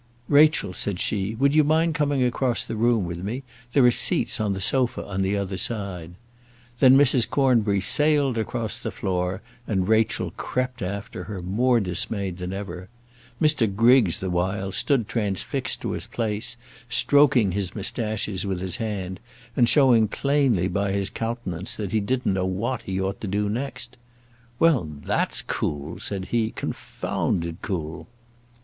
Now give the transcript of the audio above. "Rachel," said she, "would you mind coming across the room with me? There are seats on the sofa on the other side." Then Mrs. Cornbury sailed across the floor, and Rachel crept after her more dismayed than ever. Mr. Griggs the while stood transfixed to his place, stroking his mustaches with his hand, and showing plainly by his countenance that he didn't know what he ought to do next. "Well, that's cool," said he; "confounded cool!"